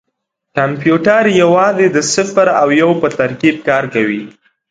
کمپیوټر یوازې د صفر او یو په ترکیب کار کوي.